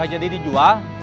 gak jadi dijual